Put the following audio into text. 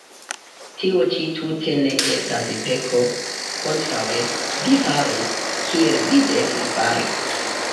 Tio ĉi tute ne estas peko; kontraŭe, vi faris, kiel vi devis fari.